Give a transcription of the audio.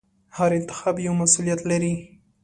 هر انتخاب یو مسؤلیت لري.